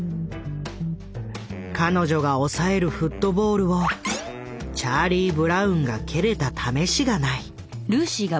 彼女が押さえるフットボールをチャーリー・ブラウンが蹴れたためしがない。